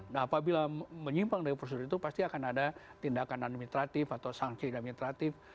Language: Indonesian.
nah apabila menyimpang dari prosedur itu pasti akan ada tindakan administratif atau sanksi administratif